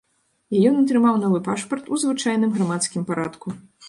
І ён атрымаў новы пашпарт у звычайным грамадскім парадку.